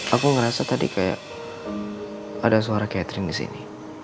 aku ngerasa tadi kayak ada suara catherine di sini